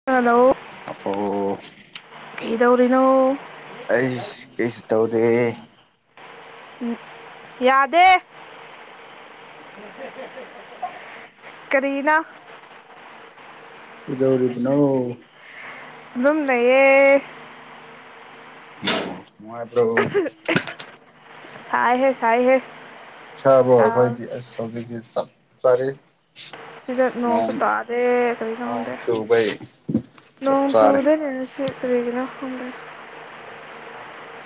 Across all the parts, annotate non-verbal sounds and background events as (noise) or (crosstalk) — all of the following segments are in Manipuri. (unintelligible) ꯂꯥꯛꯑ‌ꯣ ꯀ‌ꯩꯗꯧꯔꯤꯅꯣ? ꯑꯁ ꯀꯩꯁꯨ ꯇꯧꯗꯦꯍ‌ꯦ ꯫ ꯌꯥꯗꯦ ꯀꯔꯤꯅ‌ꯣ? ꯀꯩꯗꯧꯔꯤꯕꯅꯣ? ꯑꯗꯨꯝ ꯂꯩꯌ‌ꯦ ꯫ (unintelligible) ꯑ‌ꯣ ꯅꯨꯡꯉꯥꯏꯕ꯭ꯔ‌‌ꯣ? ꯁꯥꯏꯍꯦ ꯁꯥꯏꯍꯦ ꯁꯥꯕ꯭ꯔ‌ꯣ ꯆꯥ ꯑꯩꯈ‌ꯣꯏꯗꯤ ꯑꯁ ꯍꯧꯖꯤꯛꯇꯤ ꯆꯞ ꯆꯔ‌ꯦ ꯫ ꯁꯤꯗ ꯅꯣꯡꯁꯨ ꯇꯗ‌ꯦ ꯀꯔꯤꯅ‌ꯣ ꯅꯣꯡ ꯍꯪꯗ‌ꯦ ꯆꯨꯕꯩ ꯫ ꯆꯞ ꯅꯣꯡ ꯆꯥꯔꯦ ꯆꯨꯗ‌ꯦꯅꯦ ꯁꯤ ꯀꯔꯤꯒꯤꯅ‌ꯣ ꯍꯪꯗ‌ꯦ ꯫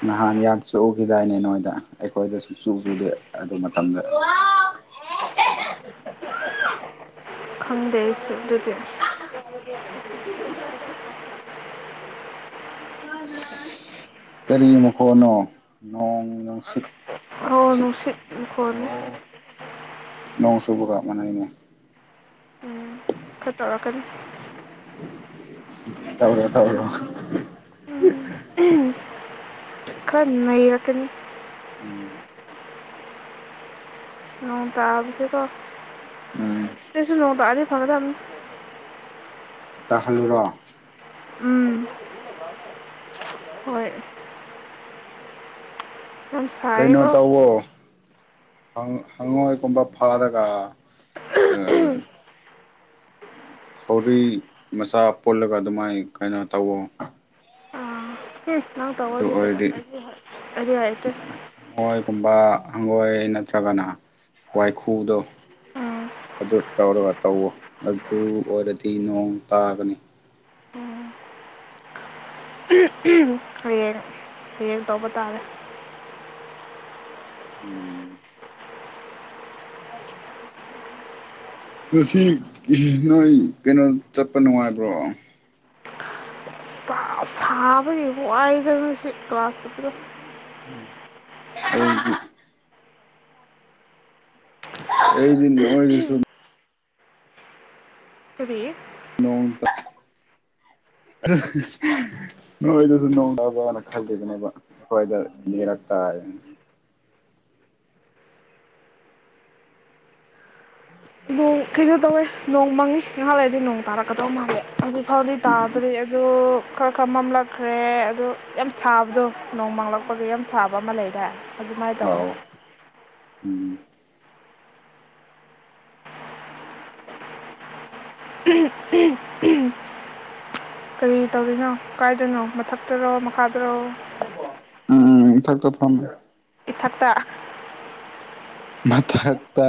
ꯅꯍꯥꯟ ꯌꯥꯝ ꯆꯨꯈꯤꯗꯥꯏꯅꯦ ꯅꯣꯏꯗ ꯑꯩꯈꯣꯏꯗ ꯆꯨ ꯆꯨꯗꯦ ꯑꯗꯨ ꯃꯇꯝꯗ ꯈꯪꯗꯦ ꯑꯩꯁꯨ ꯑꯗꯨꯗꯤ ꯫ ꯀꯔꯤ ꯃꯈꯣꯟꯅꯣ ꯅꯣꯡ ꯅꯨꯡꯁꯤꯠ ꯍ‍ꯣ ꯁꯤꯠ ꯅꯨꯡꯁꯤꯠ ꯃꯈ‌ꯣꯟꯅ‌ꯦ ꯑꯣ ꯅꯣꯡ ꯆꯨꯕꯒ ꯃꯥꯅꯩꯅꯦ ꯎꯝ ꯈꯔ ꯇꯧꯔꯛꯀꯅꯤ ꯇꯧꯔ‌ꯦ ꯇꯧꯔꯣ ꯎꯝ ꯈꯔ ꯅꯩꯔꯛꯀꯅꯤ ꯎꯝ ꯅ‌ꯣꯡ ꯇꯕꯁꯦꯀꯣ ꯎꯝ ꯁꯤꯗꯁꯨ ꯅꯣꯡ ꯇꯥꯔꯗꯤ ꯐꯥꯒꯗꯝꯅꯤ ꯇꯥꯍꯜꯂꯨꯔꯣ ꯎꯝ ꯍꯣꯏ ꯌꯥꯝ ꯀꯩꯅꯣ ꯁꯥꯏꯌꯦꯀꯣ ꯇꯧꯋꯣ ꯍꯪ ꯍꯪꯉꯣꯏꯒꯨꯝꯕ ꯐꯥꯔꯒ ꯑꯥ ꯊꯧꯔꯤ ꯃꯆꯥ ꯄꯨꯜꯂꯒ ꯑꯗꯨꯃꯥꯏ ꯀꯩꯅꯣ ꯇꯧꯋꯣ ꯍꯤ ꯅꯪ ꯇ‌‌ꯧꯑꯣ ꯑꯗꯨ ꯑꯗꯨꯗꯤ ꯑꯣꯏꯔꯗꯤ ꯑꯩꯗꯤ ꯍꯩ ꯑꯩꯗꯤ ꯍꯩꯇ‌ꯦ ꯍꯪꯉ‌ꯣꯏꯀꯨꯝꯕ ꯍꯪꯉ‌ꯣꯏ ꯅꯠꯇ꯭ꯔꯒꯅ ꯋꯥꯏꯈꯨꯗꯣ ꯑꯗꯨ ꯇꯧꯔꯒ ꯇꯧꯋꯣ ꯑꯗꯨ ꯑꯣꯏꯔꯗꯤ ꯅꯣꯡ ꯇꯥꯒꯅꯤ ꯎꯝ (unintelligible) ꯍꯌꯦꯡ ꯍꯌꯦꯡ ꯇꯧꯕ ꯇꯥꯔꯦ ꯎꯝ ꯉꯁꯤ ꯒꯤ ꯅꯣꯏ ꯀꯩꯅꯣ ꯆꯠꯄ ꯅꯨꯡꯉꯥꯏꯕ꯭ꯔꯣ ꯀ꯭ꯂꯥꯁ ꯁꯥꯕꯒꯤ ꯋꯥꯏꯗ ꯉꯁꯤ ꯀ꯭ꯂꯥꯁ ꯆꯠꯄꯗꯣ (unintelligible) ꯑꯗꯨꯗꯤ ꯑꯩꯗꯤ ꯅꯣꯏꯗ ꯁꯨꯝ ꯀꯔꯤ ꯅꯣꯡ (inaudible) (unintelligible) ꯅꯣꯏꯗꯁꯨ ꯅꯣꯡ ꯇꯕꯔꯅ ꯈꯜꯂꯤꯕꯅꯦꯕ ꯑꯩꯈꯣꯏꯗ ꯅꯅꯤꯔꯛꯇꯥꯏꯅ ꯎꯝ ꯀꯩꯅꯣ ꯇꯧꯋꯦ ꯅꯣꯡ ꯃꯪꯉꯤ ꯉꯥꯏꯍꯥꯛ ꯂꯩꯏꯗꯤ ꯅꯣꯡ ꯇꯥꯔꯛꯀꯗꯧ ꯃꯥꯜꯂꯦ ꯍꯧꯖꯤꯛ ꯐꯥꯎꯗꯤ ꯇꯥꯗꯣꯔꯤ ꯑꯗꯨ ꯈꯔ ꯈꯔ ꯃꯝꯂꯛꯈ꯭ꯔꯦ ꯑꯗꯨ ꯌꯥꯝ ꯁꯥꯕꯗꯣ ꯅꯣꯡ ꯃꯪꯂꯛꯄꯒꯤ ꯌꯥꯝ ꯁꯥꯕ ꯑꯃ ꯂꯩꯗꯥꯏ ꯑꯗꯨꯃꯥꯏꯅ ꯇꯧꯋꯦ ꯑꯧ ꯎꯝ ꯎꯝ ꯎꯍꯝ ꯎꯍꯝ ꯀꯔꯤ ꯇꯧꯔꯤꯅꯣ ꯀꯥꯏꯗꯅꯣ ꯃꯊꯛꯇꯔꯣ ꯃꯈꯥꯗꯔꯣ ꯎꯝ ꯎꯝ ꯏꯊꯛꯇ ꯐꯝ ꯏꯊꯛꯇ ꯃꯊꯛꯇ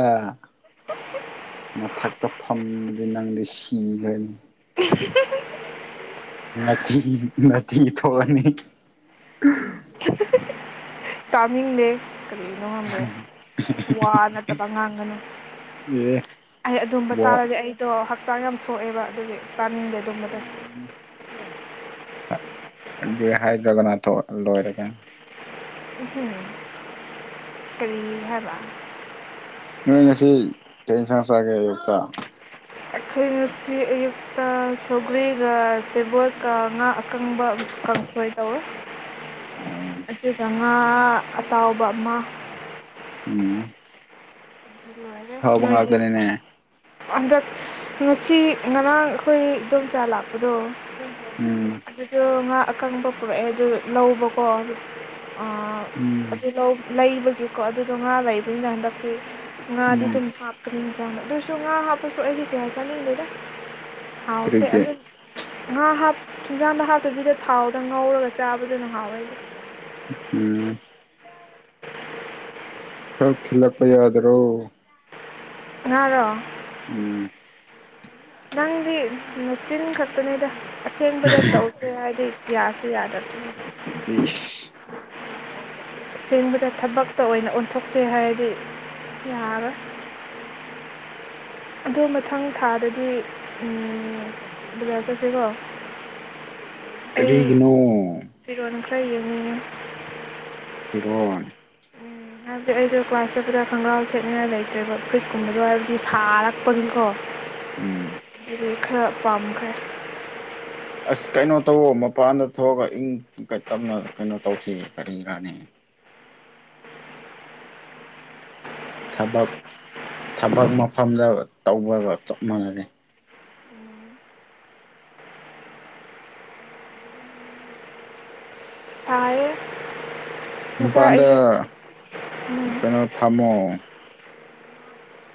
ꯃꯊꯛꯇ ꯐꯝꯕꯗꯤ ꯅꯪꯗꯤ ꯁꯤꯒ꯭ꯔꯅꯤ (unintelligible) ꯇꯥꯅꯤꯡꯗꯦ ꯀꯔꯤꯅꯣ ꯈꯪꯗꯦ ꯋꯥ ꯅꯠꯇꯕ ꯉꯥꯡꯒꯅꯨ ꯑꯦ ꯑꯩ ꯑꯗꯨꯝꯕ ꯕꯣ ꯇꯥꯔꯗꯤ ꯑꯩꯗꯣ ꯍꯛꯆꯥꯡ ꯌꯥꯝ ꯁꯣꯛꯑꯦꯕ ꯑꯗꯨꯒꯤ ꯇꯥꯅꯤꯡꯗꯦ ꯑꯗꯨꯝꯕꯗꯣ ꯑꯗꯨ ꯍꯥꯏꯗ꯭ꯔꯒꯅ ꯊꯣꯛ ꯂꯣꯏꯔꯒ ꯎ ꯍꯝ ꯀꯔꯤ ꯍꯥꯏꯕ ꯅꯣꯏ ꯉꯁꯤ ꯀꯩ ꯏꯟꯁꯥꯡ ꯆꯥꯒꯦ ꯑꯌꯨꯛꯇ ꯑꯩꯈꯣꯏ ꯉꯁꯤ ꯑꯌꯨꯛ ꯇ ꯁꯧꯒ꯭ꯔꯤꯒ ꯁꯦꯕꯣꯠꯀ ꯉꯥ ꯑꯀꯪꯕ ꯀꯥꯡꯁꯣꯏ ꯇꯧꯋꯦ ꯎꯝ ꯑꯗꯨꯒ ꯉꯥ ꯑꯇꯥꯎꯕ ꯑꯃ ꯎꯝ ꯑꯗꯨ ꯂꯣꯏꯔꯦ ꯁꯥꯎꯕ ꯅꯣꯏꯗꯤ ꯉꯥꯛꯗꯅꯤꯅꯦ ꯍꯟꯗꯛ ꯉꯁꯤ ꯉꯔꯥꯡ ꯑꯩꯈꯣꯏ ꯏꯗꯣꯝꯆꯥ ꯂꯥꯛꯄꯗꯣ ꯎꯝ ꯑꯗꯨꯗꯣ ꯉꯥ ꯑꯀꯪꯕ ꯄꯨꯔꯛꯑꯦ ꯑꯗꯨ ꯂꯧꯕꯀꯣ ꯎꯝ ꯑꯗꯨ ꯂꯩꯕꯒꯤꯀꯣ ꯑꯗꯨꯗꯣ ꯉꯥ ꯂꯩꯕꯅꯤꯅ ꯍꯟꯗꯛꯇꯤ ꯉꯥꯗꯤ ꯎꯝ ꯑꯗꯨꯝ ꯍꯥꯞꯄ ꯏꯟꯖꯡꯗ ꯑꯗꯨꯁꯨ ꯉꯥ ꯍꯥꯞꯄꯁꯨ ꯑꯩꯗꯤ ꯀꯌꯥ ꯆꯥꯅꯤꯡꯗꯦꯗ ꯍꯥꯎꯇꯦ ꯀꯔꯤꯒꯤ ꯑꯗꯨ ꯉꯥ ꯍꯥꯞ ꯍꯤꯡꯖꯥꯡꯗ ꯍꯥꯞꯇꯕꯤꯗ ꯊꯥꯎꯗ ꯉꯧꯔꯒ ꯆꯥꯕꯗꯨꯅ ꯍꯥꯎꯋꯦꯗ ꯎꯝ ꯈꯔ ꯊꯤꯜꯂꯛꯄ ꯌꯥꯗꯔꯣ ꯉꯥꯔꯣ ꯎꯝ ꯅꯪꯗꯤ ꯃꯆꯤꯟ ꯈꯛꯇꯅꯤꯗ ꯑꯁꯦꯡꯕꯗ ꯇꯧ ꯍꯥꯏꯗꯤ ꯌꯥꯁꯨ ꯌꯥꯗꯕꯗꯨꯕꯣ (unintelligible) ꯁꯦꯡꯕꯗ ꯊꯕꯛꯇ ꯑꯣꯏꯅ ꯑꯣꯟꯊꯣꯛꯆꯦ ꯍꯥꯏꯔꯗꯤ ꯌꯥꯔꯣꯏ ꯑꯗꯨ ꯃꯊꯪ ꯊꯥꯗꯗꯤ ꯕꯥꯖꯔ ꯆꯠꯁꯤꯀꯣ (unintelligible) ꯑꯩ ꯀꯔꯤꯒꯤꯅꯣ ꯐꯤꯔꯣꯟ ꯈ꯭ꯔ ꯌꯦꯡꯅꯤꯡꯉꯦ ꯐꯤꯔꯣꯟ ꯎꯝ ꯍꯥꯏꯕꯗꯤ ꯑꯩꯗꯣ ꯀ꯭ꯂꯥꯁ ꯆꯠꯄꯗ ꯈꯣꯡꯒ꯭ꯔꯥꯎ ꯁꯦꯠꯅꯤꯡ ꯉꯥꯏ ꯂꯩꯇ꯭ꯔꯦꯕ ꯐꯨꯔꯤꯠꯀꯨꯝꯕꯗꯣ ꯍꯥꯏꯕꯗꯤ ꯁꯥꯔꯒ (unintelligible) ꯎꯝ ꯑꯗꯨꯣꯏ ꯈꯔ ꯄꯥꯝꯈꯔꯦ ꯑꯁ ꯀꯩꯅꯣ ꯇꯧꯑꯣ ꯃꯄꯥꯟꯗ ꯊꯣꯛꯑꯒ ꯏꯪ ꯇꯞꯅ ꯀꯩꯅꯣ ꯇꯧꯁꯤ ꯀꯔꯤꯔꯥꯅꯦ ꯊꯕꯛ ꯊꯕꯛ ꯃꯐꯝꯗ ꯇꯧꯕꯒ ꯆꯞ ꯃꯥꯟꯅꯔꯦ ꯁꯥꯏꯌꯦ ꯉꯁꯥꯏ ꯃꯄꯥꯟꯗ ꯑꯩꯁꯨ ꯎꯝ ꯀꯩꯅꯣ ꯊꯝꯃꯣ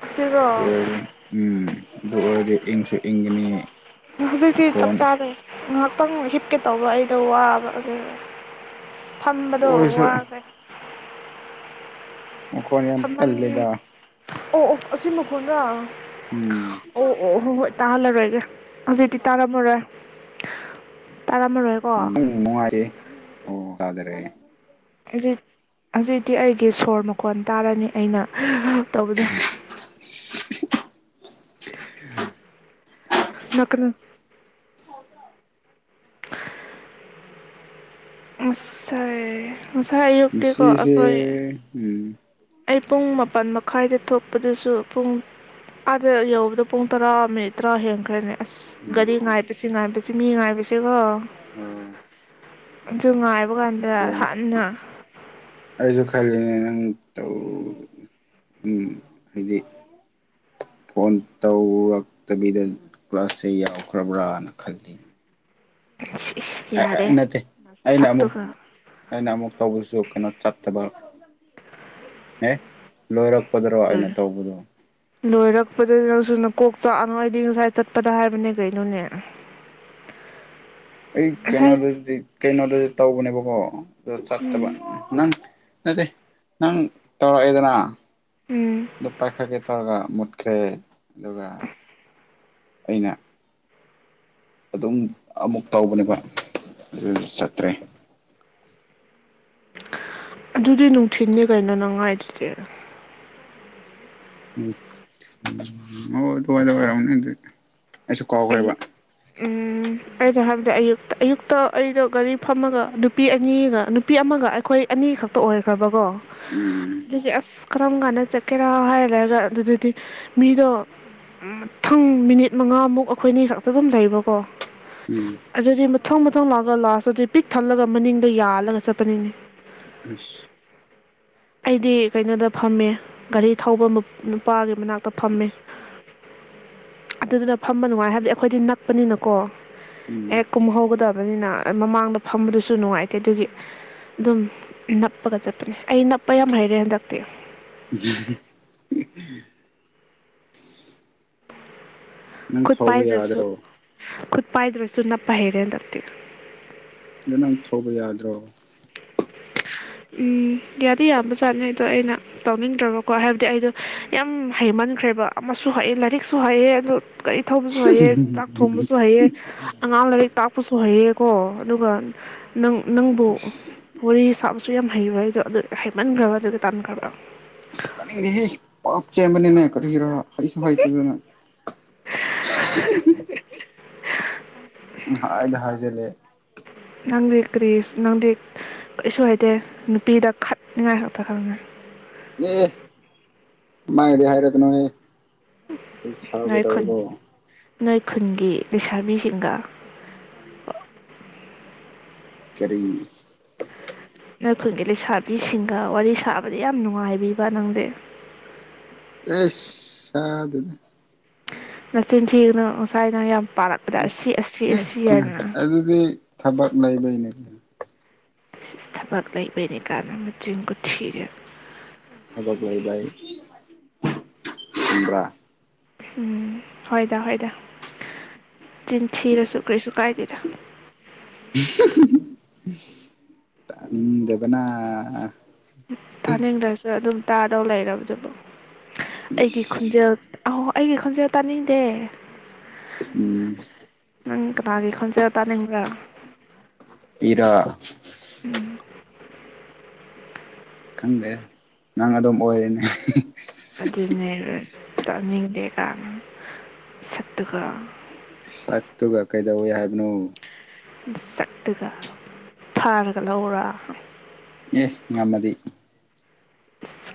ꯍꯧꯖꯤꯛꯔꯣ ꯑꯗꯨ ꯑꯣꯏꯔꯣ ꯎꯝ ꯑꯗꯨ ꯑꯣꯏꯔꯗꯤ ꯏꯪꯁꯨ ꯏꯪꯒꯅꯤ ꯍꯧꯖꯤꯛꯇꯤ ꯆꯞ ꯃꯈꯣꯟ ꯆꯥꯔꯦ ꯉꯥꯏꯍꯥꯛꯇꯪ ꯍꯤꯞꯀꯦ ꯇꯧꯕ ꯑꯩꯗꯣ ꯋꯥꯕ ꯑꯗꯨ ꯑꯗꯨ ꯐꯝꯕꯗꯣ ꯑꯣꯏꯔꯁꯨ ꯋꯥꯒꯔꯦ ꯃꯈꯣꯟ ꯌꯥꯝ ꯊꯃꯟ ꯀꯜꯂꯦꯗ ꯑꯣ ꯑꯣ ꯑꯁꯤ ꯃꯈꯣꯟꯗ ꯎꯝ ꯑꯣ ꯑꯣ ꯍ ꯍꯣꯏ ꯇꯥꯍꯜꯂꯔꯣꯏꯒꯦ ꯍꯧꯖꯤꯛꯇꯤ ꯇꯥꯔꯥꯃꯔꯣꯏ ꯇꯔꯥꯃꯔꯣꯏ ꯅꯨꯡꯉꯥꯏꯔꯦ ꯑꯣ ꯇꯥꯗꯔꯦ ꯍꯧꯖꯤꯛ ꯍꯧꯖꯤꯛꯇꯤ ꯑꯩꯒꯤ ꯁꯣꯔ ꯃꯈꯣꯟ ꯇꯥꯔꯅꯤ ꯑꯩꯅ ꯇꯧꯕꯗ (inaudible) ꯅꯣꯛꯀꯅꯨ ꯍ (inaudible) (inaudible) ꯉꯁꯥꯏ ꯑꯌꯨꯛꯇꯤ ꯀꯣ ꯉꯁꯤꯁꯦ ꯑꯩꯈꯣꯏ ꯎꯝ ꯑꯩ ꯄꯨꯡ ꯃꯥꯄꯜ ꯃꯈꯥꯏꯗ ꯊꯣꯛꯄꯗꯁꯨ ꯄꯨꯡ ꯑꯥꯗ ꯌꯧꯕꯗꯣ ꯄꯨꯡ ꯇꯔꯥ ꯃꯤꯅꯤꯠ ꯇꯔꯥ ꯍꯦꯟꯈ꯭ꯔꯦꯅꯦ ꯑꯁ ꯒꯥꯔꯤ ꯉꯥꯏꯕꯁꯤ ꯉꯥꯏꯕꯁꯤ ꯃꯤ ꯉꯥꯏꯕꯁꯤꯀꯣ ꯑ ꯑꯗꯨ ꯉꯥꯏꯕ ꯀꯥꯟꯗ ꯑꯗꯨꯅꯤ ꯍꯥꯟꯅ ꯑꯩꯁꯨ ꯈꯜꯂꯤꯅꯦ ꯅꯪ ꯎꯝ ꯍꯥꯏꯗꯤ ꯐꯣꯟ ꯇꯧꯔꯛꯇꯕꯤꯗ ꯀ꯭ꯂꯥꯁꯀ ꯌꯥꯎꯈ꯭ꯔꯕ꯭ꯔꯥꯅ ꯈꯜꯂꯤ (inaudible) ꯅꯠꯇꯦ ꯑꯩꯅ ꯑꯃꯨꯛ ꯁꯛꯇꯨꯒ ꯑꯩꯅ ꯑꯃꯨꯛ ꯇꯧꯕꯁꯨ ꯀꯩꯅꯣ ꯆꯠꯇꯕ ꯑꯦ ꯂꯣꯏꯔꯛꯄꯗꯔꯣ ꯑꯩꯅ ꯇꯧꯕꯗꯣ ꯂꯣꯏꯔꯛꯄꯗ ꯅꯪꯁꯨ ꯅꯀꯣꯛ ꯆꯥꯛꯑꯅꯨ ꯑꯩꯗꯤ ꯉꯁꯥꯏ ꯆꯠꯄꯗ ꯍꯥꯏꯕꯅꯦ ꯀꯩꯅꯣꯅꯦ (unintelligible) ꯑꯩ ꯉꯁꯥꯏ ꯀꯩꯅꯣꯗꯗꯤ ꯀꯩꯅꯣꯗꯗꯤ ꯇꯧꯕꯅꯦꯕꯀꯣ ꯑꯗꯨ ꯆꯠꯇꯕ ꯎꯝ ꯅꯪ ꯅꯠꯇꯦ ꯅꯪ ꯇꯧꯔꯛꯑꯦꯗꯅ ꯎꯝ ꯑꯗꯨ ꯄꯥꯏꯈꯛꯀꯦ ꯇꯧꯔꯒ ꯃꯨꯠꯈ꯭ꯔꯦ ꯑꯗꯨꯒ ꯑꯩꯅ ꯑꯗꯨꯝ ꯑꯃꯨꯛ ꯇꯧꯕꯅꯦꯕ ꯑꯗꯨ ꯆꯠꯇ꯭ꯔꯦ ꯑꯗꯨꯗꯤ ꯅꯨꯡꯊꯤꯟꯅꯤ ꯀꯩꯅꯣ ꯅꯪ ꯍꯥꯢꯗꯨꯗꯤ ꯎꯝ ꯑꯣ ꯑꯗꯨꯋꯥꯏꯗ ꯋꯥꯏꯔꯝꯅꯤ ꯑꯗꯨꯗꯤ ꯑꯩꯁꯨ ꯀꯥꯎꯈ꯭ꯔꯦꯕ ꯑꯩ ꯎꯝ ꯑꯩꯅ ꯍꯥꯏꯕꯗꯤ ꯑꯌꯨꯛꯇ ꯑꯌꯨꯛꯇ ꯑꯩꯗꯣ ꯒꯥꯔꯤ ꯐꯝꯃꯒ ꯅꯨꯄꯤ ꯑꯅꯤꯒ ꯅꯨꯄꯤ ꯑꯃꯒ ꯑꯩꯈꯣꯏ ꯑꯅꯤ ꯈꯛꯇ ꯑꯣꯏꯈ꯭ꯔꯕꯀꯣ ꯎꯝ ꯑꯁ ꯀꯔꯝ ꯀꯥꯟꯗ ꯆꯠꯀꯦꯔꯥ ꯍꯥꯏꯔꯒ ꯑꯗꯨꯗꯗꯤ ꯃꯤꯗꯣ ꯃꯊꯪ ꯃꯤꯅꯤꯠ ꯃꯉꯥꯃꯨꯛ ꯑꯩꯈꯣꯏꯅꯤ ꯈꯛꯇ ꯑꯗꯨꯝ ꯂꯩꯕꯀꯣ ꯎꯝ ꯑꯗꯨꯗꯤ ꯃꯊꯪ ꯃꯊꯪ ꯂꯥꯛꯑꯒ ꯂꯥꯁꯇꯗꯤ ꯄꯤꯛ ꯊꯜꯂꯒ ꯃꯅꯤꯡꯗ ꯌꯥꯜꯂꯒ ꯆꯠꯄ ꯑꯁ ꯆꯠꯄꯅꯤꯅꯦ ꯑꯩꯗꯤ ꯀꯩꯅꯣꯗ ꯐꯝꯃꯦ ꯒꯥꯔꯤ ꯊꯧꯕ ꯃ ꯅꯨꯄꯥꯒꯤ ꯃꯅꯥꯛꯇ ꯐꯝꯃꯦ ꯑꯗꯨꯗꯨꯅ ꯐꯝꯕ ꯅꯨꯡꯉꯥꯏ ꯍꯥꯏꯕꯗꯤ ꯑꯩꯈꯣꯏꯗꯤ ꯅꯛꯄꯅꯤꯅꯀꯣ ꯎꯝ ꯍꯦꯛ ꯀꯨꯝꯍꯧꯕꯗ ꯕꯅꯤꯅ ꯃꯃꯥꯡꯗ ꯐꯝꯕꯗꯨꯁꯨ ꯅꯨꯡꯉꯥꯏꯇꯦ ꯑꯗꯨꯒꯤ ꯑꯗꯨꯝ ꯅꯞꯄꯒ ꯆꯠꯄꯅꯦ ꯑꯩ ꯅꯞꯄ ꯌꯥꯝ ꯍꯩꯔꯦ ꯍꯟꯗꯛꯇꯤ ꯎꯝ (inaudible) ꯅꯪ ꯈꯨꯠ ꯊꯧꯕ ꯄꯥꯏꯗ꯭ꯔꯁꯨ ꯌꯥꯗ꯭ꯔꯣ ꯈꯨꯠ ꯄꯥꯏꯗ꯭ꯔꯁꯨ ꯅꯞꯄ ꯍꯩꯔꯦ ꯍꯥꯟꯗꯛꯇꯤ ꯑꯗꯣ ꯅꯪ ꯊꯧꯕ ꯌꯥꯗ꯭ꯔꯣ ꯎꯝ ꯌꯥꯗꯤ ꯌꯥꯕ ꯆꯥꯠꯅꯤ ꯑꯗꯣ ꯑꯩꯅ ꯇꯧꯅꯤꯡꯗ꯭ꯔꯕꯀꯣ ꯍꯥꯏꯕꯗꯤ ꯑꯩꯗꯣ ꯌꯥꯝ ꯍꯩꯃꯟꯈ꯭ꯔꯦꯕ ꯑꯃꯁꯨ ꯍꯩ ꯂꯥꯏꯔꯤꯛꯁꯨ ꯍꯩ ꯑꯦ ꯑꯗꯣ ꯒꯥꯔꯤ ꯊꯧꯕꯁꯨ ꯍꯩꯑꯦ ꯆꯥꯛ ꯊꯣꯡꯕꯁꯨ ꯍꯩꯑꯦ ꯑꯉꯥꯡ ꯂꯥꯏꯔꯤꯛ ꯇꯥꯛꯄꯁꯨ ꯍꯩꯑꯦꯀꯣ ꯑꯗꯨꯒ ꯅꯪ ꯅꯪꯕꯨ ꯋꯥꯔꯤ ꯁꯥ ꯁꯨ ꯌꯥꯝ ꯍꯩꯕ ꯑꯩꯗꯣ ꯑꯗꯨ ꯍꯩꯃꯟꯈ꯭ꯔꯕ ꯑꯗꯨꯒ ꯇꯟꯈ꯭ꯔꯕ ꯑꯁ ꯇꯥꯅꯤꯡꯗꯦ ꯍꯦ ꯄꯥꯞ ꯆꯦꯟꯕꯅꯤꯅꯦ ꯀꯔꯤꯔ ꯍꯩꯁꯨ ꯍꯩꯇꯗꯅ ꯄꯪ ꯍꯥꯏꯗ ꯍꯥꯏꯖꯜꯂꯦ ꯅꯪꯗꯤ ꯀꯔꯤ ꯅꯪꯗꯤ ꯀꯩꯁꯨ ꯍꯩꯇꯦ ꯅꯨꯄꯤꯗ ꯈꯠꯅꯤꯉꯥꯏ ꯈꯛꯇ ꯈꯪꯉꯦ ꯑꯦ ꯑꯗꯨꯃꯥꯏꯗꯤ ꯍꯥꯏꯔꯛꯀꯅꯨꯍꯦ ꯑꯩ ꯁꯥꯎꯒꯦ ꯅꯣꯏ ꯈꯨꯟ ꯇꯧꯋꯦꯀꯣ ꯅꯣꯏ ꯈꯨꯟꯒꯤ ꯂꯩꯁꯥꯕꯤꯁꯤꯡꯒ ꯀꯔꯤ ꯅꯣꯏ ꯈꯨꯟꯒꯤ ꯂꯩꯁꯥꯕꯤꯁꯤꯡꯒ ꯋꯥꯔꯤ ꯁꯥꯕꯗ ꯌꯥꯝ ꯅꯨꯡꯉꯥꯏꯕꯤꯕ ꯅꯪꯗꯤ ꯑꯦꯁ ꯁꯥꯗꯦꯗ ꯅꯆꯤꯟ ꯊꯤꯒꯅꯣ ꯉꯁꯥꯏꯅ ꯌꯥꯝ ꯄꯥꯔꯛ ꯎꯝ ꯑ ꯑꯗꯨꯗꯤ ꯊꯕꯛ ꯂꯩꯕꯩꯩꯅꯦ ꯀꯩꯅꯣ ꯏꯁ ꯏꯁ ꯊꯕꯛ ꯂꯩꯕꯅꯤ ꯀꯥꯏꯅ ꯃꯆꯤꯟ ꯈꯨꯊꯤꯖꯦ ꯊꯕꯛ ꯂꯩꯕ ꯑꯩ ꯈꯪꯕ꯭ꯔꯥ ꯎꯝ ꯍꯣꯏꯗ ꯍꯣꯏꯗ ꯆꯤꯟꯊꯤꯔꯁꯨ ꯀꯔꯤꯁꯨ ꯀꯥꯏꯗꯦ ꯇꯥꯅꯤꯡꯗꯕꯅ ꯇꯥꯅꯤꯡꯗ꯭ꯔꯁꯨ ꯑꯗꯨꯝ ꯇꯥꯗꯧ ꯂꯩꯔꯕꯨꯗꯨ ꯑꯩꯒꯤ ꯈꯣꯟꯖꯦꯜ ꯏꯁ ꯑꯍꯣ ꯑꯩꯒꯤ ꯈꯣꯟꯖꯦꯜ ꯇꯥꯅꯤꯡꯗꯦ ꯎꯝ ꯅꯪ ꯀꯅꯥꯒꯤ ꯈꯣꯟꯖꯦꯜ ꯇꯥꯅꯤꯡꯕ꯭ꯔꯥ ꯢꯔꯥ ꯎꯝ ꯈꯪꯗꯦ ꯅꯪ ꯑꯗꯨꯝ ꯑꯣꯏꯔꯤꯅꯦ ꯑꯗꯨꯅꯦꯕ ꯇꯥꯅꯤꯡꯗꯦ ꯀꯥꯏꯅ ꯅꯁꯛꯇꯨꯒ ꯁꯛꯇꯨꯒ ꯀꯩꯗꯧꯋꯦ ꯍꯥꯏꯕꯅꯣ ꯁꯛꯇꯨꯒ ꯐꯥꯔꯒ ꯂꯧꯔꯥ ꯑꯦ ꯉꯝꯃꯗꯤ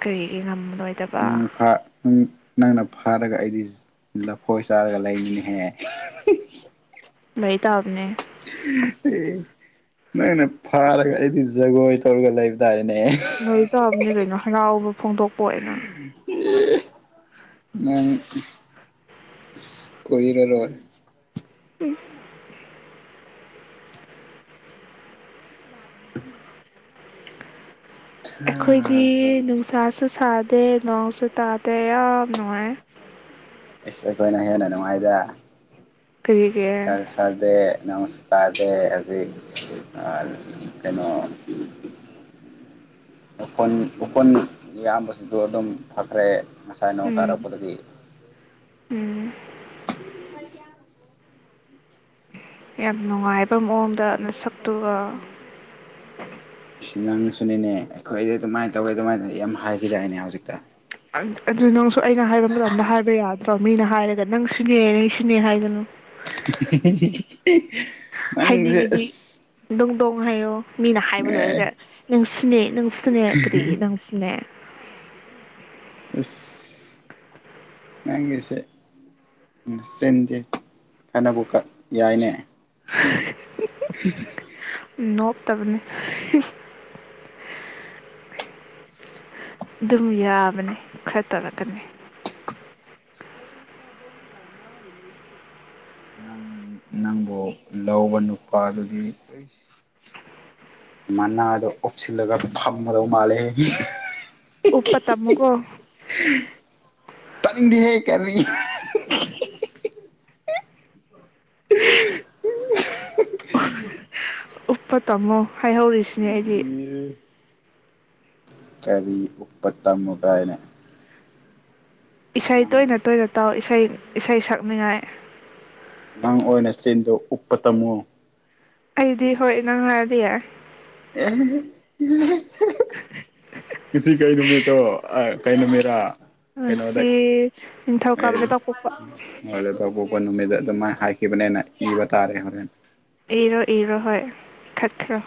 ꯀꯔꯤꯒꯤ ꯉꯝꯂꯣꯏꯠ ꯅꯪ ꯐꯥ (unintelligible) ꯅꯪꯅ ꯐꯥꯔꯒ ꯑꯩꯗꯤ ꯂꯐꯣꯏ ꯆꯥꯔꯒ ꯂꯩꯅꯤꯍꯦ (unintelligible) ꯂꯩꯩ ꯇꯥꯕꯅꯦ ꯑꯦ ꯅꯪꯅ ꯐꯥꯔꯒ ꯑꯩꯗꯤ ꯖꯒꯣꯏ ꯇꯧꯔꯒ ꯂꯩꯕ ꯇꯥꯔꯦꯅꯦ ꯂꯩ ꯇꯥꯕꯅꯤ ꯀꯩꯅꯣ ꯍꯔꯥꯎꯕ ꯐꯣꯡꯗꯣꯛꯄ ꯑꯣꯏꯅ ꯃꯥꯅꯤ ꯀꯨꯏꯔꯔꯣꯏ (unintelligible) ꯑꯩꯈꯣꯏꯗꯤ ꯅꯨꯡꯁꯥꯁꯨ ꯁꯥꯗꯦ ꯅꯣꯡꯁꯨ ꯇꯥꯗꯦ ꯌꯥꯝ ꯅꯨꯡꯉꯥꯏ ꯏꯁ ꯑꯩꯈꯣꯏꯅ ꯍꯦꯟꯅ ꯅꯨꯡꯉꯥꯏꯗ ꯀꯔꯤꯒꯤ ꯇꯥꯗꯦ ꯅꯣꯡꯁꯨ ꯇꯥꯗꯦ ꯍꯧꯖꯤꯛ ꯑꯥ ꯀꯩꯅꯣ ꯎꯐꯨꯟ ꯎꯐꯨꯟ ꯏꯌꯥꯝꯕꯁꯤꯡꯗꯣ ꯑꯗꯨꯝ ꯐꯈ꯭ꯔꯦ ꯉꯁꯥꯏ ꯅꯣꯡ ꯎꯝ ꯇꯥꯔꯛꯄꯗꯒꯤ ꯎꯝ (unintelligible) ꯌꯥꯝ ꯅꯨꯡꯉꯥꯏꯕ ꯃꯑꯣꯡꯗ ꯅꯁꯛꯇꯨꯒ (inaudible) ꯏꯁ ꯅꯪꯁꯨꯅꯤꯅꯦ ꯑꯩꯈꯣꯏꯗꯤ ꯑꯗꯨꯃꯥꯏ ꯇꯧꯋꯤ ꯑꯗꯨꯃꯥꯏꯅ ꯌꯥꯝ ꯍꯥꯏꯈꯤꯗꯥꯏꯅꯦ ꯍꯧꯖꯤꯛꯇ (unintelligible) ꯑꯗꯨ ꯅꯪꯁꯨ ꯑꯩꯅ ꯍꯥꯏꯕ ꯃꯇꯝꯗ ꯍꯥꯏꯕ ꯌꯥꯗ꯭ꯔꯣ ꯃꯤꯅ ꯍꯥꯏꯔꯒ ꯅꯪ ꯁꯨꯅꯦ ꯅꯪ ꯁꯨꯅꯦ ꯍꯥꯏꯒꯅꯨ (unintelligible) ꯅꯪꯁꯦ ꯍꯥꯏꯅꯤꯡꯉꯗꯤ ꯑꯁ ꯗꯣꯡ ꯗꯣꯡ ꯍꯥꯏꯌꯣ ꯃꯤꯅ ꯍꯥꯏꯕ ꯂꯣꯏꯔꯒ ꯑꯦ ꯅꯪ ꯁꯨꯅꯦ ꯅꯪ ꯁꯨꯅꯦ ꯀꯔꯤ ꯅꯪꯁꯨꯅꯦ ꯏꯁ ꯅꯪꯒꯤꯁꯦ ꯅꯆꯤꯟꯗꯤ ꯐꯅꯕꯨ ꯀ ꯌꯥꯏꯅꯦ (unintelligible) (unintelligible) ꯎꯝ ꯅꯣꯞꯇꯕꯅꯦ ꯗꯨꯝ ꯌꯥꯕꯅꯤ ꯈꯔ ꯇꯧꯔꯛꯀꯅꯤ ꯅꯪ ꯅꯪꯕꯨ ꯂꯧꯕ ꯅꯨꯄꯥꯗꯨꯗꯤ (unintelligible) ꯃꯅꯥꯗꯣ ꯀꯨꯞꯁꯤꯜꯂꯒ ꯐꯝꯒꯗꯧ ꯃꯥꯜꯂꯦ (unintelligible) ꯎꯞꯄ ꯇꯝꯃꯨꯀꯣ ꯇꯥꯅꯤꯡꯗꯦꯍꯦ ꯀꯔꯤ (unintelligible) (unintelligible) (unintelligible) ꯎꯞꯄ ꯇꯝꯃꯣ ꯍꯥꯏꯍꯧꯔꯤꯁꯤꯅꯤ ꯑꯩꯗꯤ (unintelligible) ꯀꯔꯤ ꯎꯞꯄ ꯇꯝꯃꯨ ꯀꯥꯏꯅ ꯏꯁꯩ ꯅꯪ ꯇꯣꯏꯅ ꯇꯣꯏꯅ ꯇꯥꯎ ꯏꯁꯩ ꯏꯁꯩ ꯁꯛꯅꯤꯉꯥꯏ ꯅꯪ ꯑꯣꯏꯅ ꯆꯤꯟꯗꯣ ꯎꯞꯄ ꯇꯝꯃꯨ ꯑꯩꯗꯤ ꯍꯣꯏ ꯅꯪ ꯍꯥꯏꯔꯗꯤ ꯌꯥꯏ ꯑꯦ (unintelligible) ꯉꯁꯤ ꯀꯩ ꯅꯨꯃꯤꯠꯇꯣ (unintelligible) ꯀꯩ ꯅꯨꯃꯤꯠꯔꯥ ꯀꯩꯅꯣꯗ ꯉꯁꯤ ꯅꯤꯡꯊꯧꯀꯥꯕ ꯂꯩꯕꯥꯛꯄꯣꯛꯄ (unintelligible) ꯂꯩꯕꯥꯛꯄꯣꯛꯄ ꯅꯨꯃꯤꯠꯇ ꯑꯗꯨꯃꯥꯏ ꯍꯥꯏꯈꯤꯕꯅꯦꯅ ꯏꯕ ꯇꯥꯔꯦ ꯍꯣꯔꯦꯟ ꯏꯔꯣ ꯏꯔꯣ ꯍꯣꯏ ꯈꯠꯈ꯭ꯔꯣ